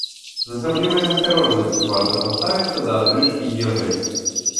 З асаблівай насцярожанасцю варта паставіцца да адрыжкі ежай.